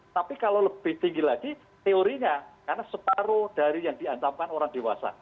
tapi kalau lebih tinggi lagi teorinya karena separuh dari yang diancamkan orang dewasa